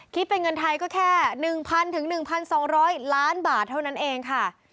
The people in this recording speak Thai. คิดเป็นเงินไทยก็แค่๑๐๐๑๒๐๐ล้านบาทเท่านั้นเองค่ะ